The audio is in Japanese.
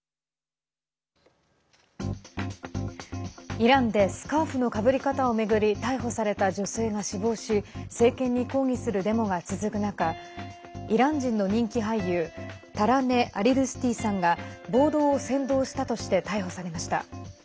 イランでスカーフのかぶり方を巡り逮捕された女性が死亡し政権に抗議するデモが続く中イラン人の人気俳優タラネ・アリドゥスティさんが暴動を扇動したとして逮捕されました。